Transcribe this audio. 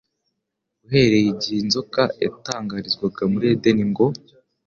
Uhereye igihe inzoka yatangarizwaga muri Edeni ngo,